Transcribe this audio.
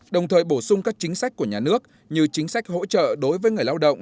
đồng thời bổ sung các chính sách của nhà nước như chính sách hỗ trợ đối với người lao động